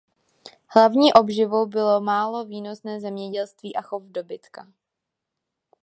Hlavní obživou bylo málo výnosné zemědělství a chov dobytka.